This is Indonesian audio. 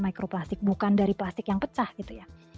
mikroplastik bukan dari plastik yang pecah gitu ya